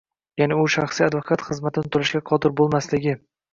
ya’ni u shaxsiy advokat xizmatini to‘lashga qodir bo‘lmasligi